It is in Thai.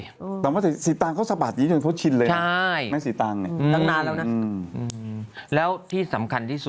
หรือสะบัดเหนื่อยเบอร์พี่อย่างเนี้ย